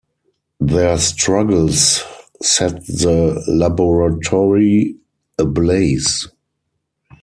Their struggles set the laboratory ablaze.